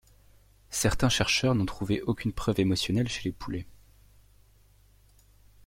Certains chercheurs n'ont trouvé aucune preuve émotionnelle chez les poulets.